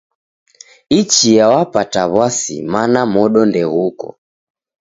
Ichia w'apata w'asi mana modo ndeghuko.